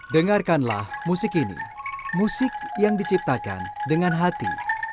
dengarkanlah musik ini musik yang diciptakan dengan hati